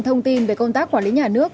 thông tin về công tác quản lý nhà nước